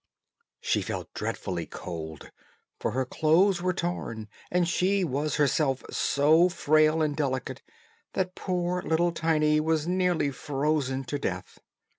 She felt dreadfully cold, for her clothes were torn, and she was herself so frail and delicate, that poor little Tiny was nearly frozen to death.